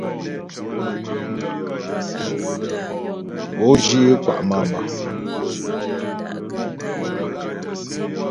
Ǒ zhyə é kwà' màmà.